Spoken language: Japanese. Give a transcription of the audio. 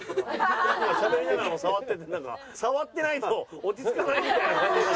しゃべりながらも触っててなんか触ってないと落ち着かないみたいな。